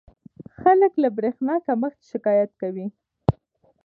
خلک له برېښنا کمښت شکایت کوي.